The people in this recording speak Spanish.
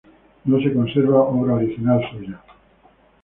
No se conserva obra original suya.